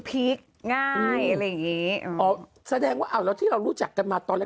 พลิกต๊อกเต็มเสนอหมดเลยพลิกต๊อกเต็มเสนอหมดเลย